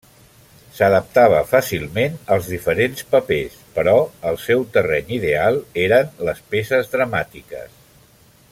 S'adaptava fàcilment als diferents papers, però el seu terreny ideal eren les peces dramàtiques.